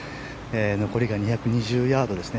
残りが２２０ヤードですね。